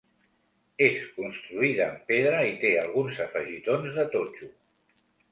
És construïda amb pedra i té alguns afegitons de totxo.